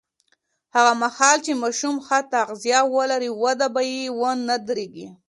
هغه مهال چې ماشوم ښه تغذیه ولري، وده به یې ونه درېږي.